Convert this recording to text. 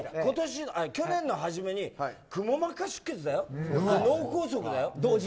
去年の初めにくも膜下出血だよ、脳梗塞だよ。